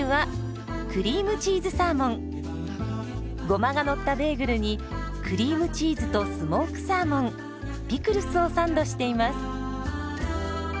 ゴマがのったベーグルにクリームチーズとスモークサーモンピクルスをサンドしています。